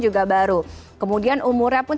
juga baru kemudian umurnya pun